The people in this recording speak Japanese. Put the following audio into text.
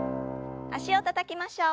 脚をたたきましょう。